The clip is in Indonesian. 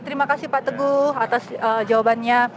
terima kasih pak teguh atas jawabannya